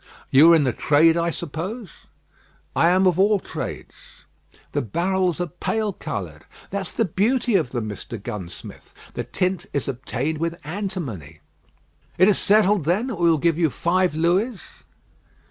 "You are in the trade, I suppose?" "I am of all trades." "The barrels are pale coloured." "That's the beauty of them, Mr. Gunsmith. The tint is obtained with antimony." "It is settled, then, that we give you five Louis?"